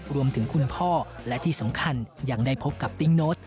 คุณพ่อและที่สำคัญยังได้พบกับติ๊งโน้ต